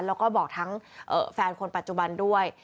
แล้วก็บอกทั้งแฟนคนปัจจุบันด้วย